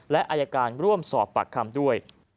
และอายการร่วมสอบปากคำด้วย